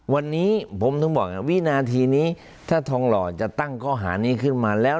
วันนี้ผมถึงบอกวินาทีนี้ถ้าทองหล่อจะตั้งข้อหานี้ขึ้นมาแล้ว